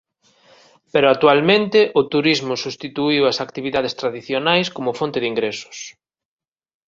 Pero actualmente o turismo substituíu ás actividades tradicionais como fonte de ingresos.